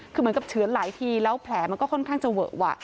คือเหมือนกับเฉือนหลายทีแล้วแผลมันก็ค่อนข้างจะเวอะวะ